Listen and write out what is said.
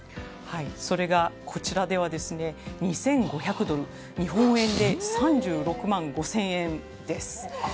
それがこちらは２５００ドル日本円で３６万５０００円です。